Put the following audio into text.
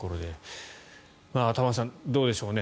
玉川さんどうでしょう。